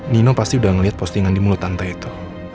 nino pasti udah ngelihat postingan di mulut tante itu